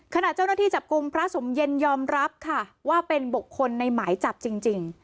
ขณะเจ้าหน้าที่จับกลุ่มพระสมเย็นยอมรับค่ะว่าเป็นบุคคลในหมายจับจริง